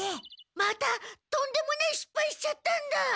またとんでもないしっぱいしちゃったんだ。